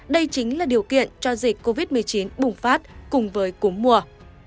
đây chính là điều kiện cho dịch covid một mươi chín bùng phát cùng với cúm mùa